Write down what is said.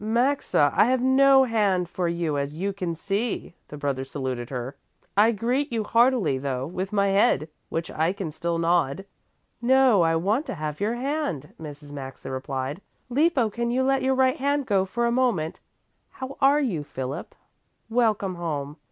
"Maxa, I have no hand for you as you can see," the brother saluted her. "I greet you heartily, though, with my head, which I can still nod." "No, I want to have your hand," Mrs. Maxa replied. "Lippo can let your right hand go for a moment. How are you, Philip? Welcome home!